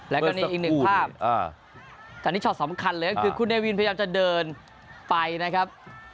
แล้วก็นี่อีกหนึ่งภาพตอนนี้ช็อตสำคัญเลยก็คือคุณเนวินพยายามจะเดินไปนะครับ